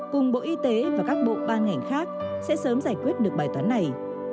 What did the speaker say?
cùng bộ y tế và các bộ ban ngành khác sẽ sớm giải quyết được bài toán này